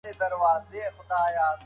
هغه په ډېر آرام سره خبرې پیل کړې.